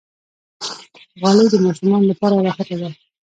غالۍ د ماشومانو لپاره راحته ده.